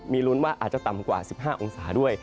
มีลุ้นว่าอาจจะต่ำกว่า๑๕องศาด้วย